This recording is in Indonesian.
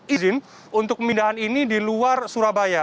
izin untuk pemindahan ini di luar surabaya